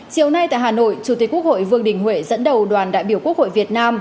chiều nay tại hà nội chủ tịch quốc hội vương đình huệ dẫn đầu đoàn đại biểu quốc hội việt nam